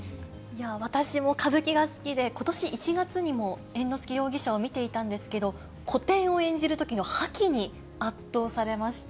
わたしも歌舞伎が好きで、ことし１月にも猿之助容疑者を見ていたんですけれども、古典を演じるときの覇気に圧倒されました。